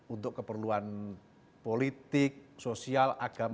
untuk keperluan politik sosial agama